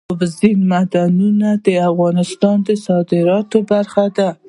اوبزین معدنونه د افغانستان د صادراتو برخه ده.